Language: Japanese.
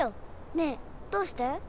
ねえどうして？